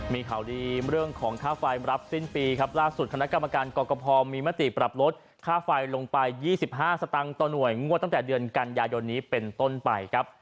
มีข่าวดีเรื่องของค่าไฟรับสิ้นปีครับล่าสุดคณะกรรมการกรกภมีมติปรับลดค่าไฟลงไป๒๕สตางค์ต่อหน่วยงวดตั้งแต่เดือนกันยายนนี้เป็นต้นไปครับ